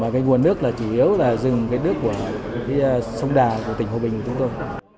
và nguồn nước chỉ yếu là dừng nước sông đà của tỉnh hòa bình của chúng tôi